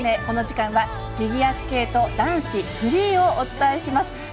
この時間はフィギュアスケート男子フリーをお伝えします。